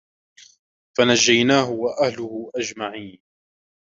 فَنَجَّيْنَاهُ وَأَهْلَهُ أَجْمَعِينَ